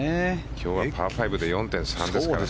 今日はパー５で４．３ですからね。